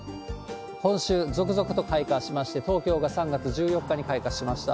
今週、続々と開花しまして、東京が３月１４日に開花しました。